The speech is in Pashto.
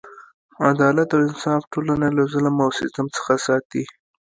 عدالت او انصاف ټولنه له ظلم او ستم څخه ساتي.